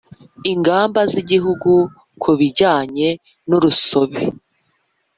Ingamba z Igihugu ku bijyanye n urusobe